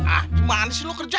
ah gimana sih lo kerja